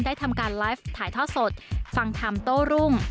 ได้ทำการไลฟ์ถ่ายท่อสดฟังทำโต้รุ่ง